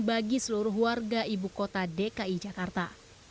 bagi seluruh warga ibu kota dki jakarta